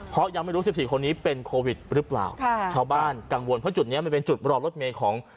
เพราะยังไม่รู้สิบสี่คนนี้เป็นโควิดหรือเปล่าค่ะชาวบ้านกังวลเพราะจุดเนี้ยมันเป็นจุดรอรถเมย์ของ